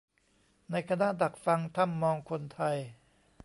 ในคณะดักฟังถ้ำมองคนไทย